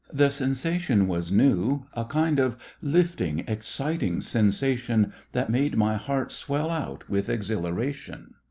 The sensation was new a kind of lifting, exciting sensation that made my heart swell out with exhilaration.